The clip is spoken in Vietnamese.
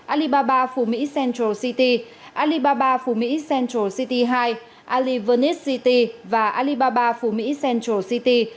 alibaba phủ mỹ central city alibaba phủ mỹ central city hai alibaba venice city và alibaba phủ mỹ central city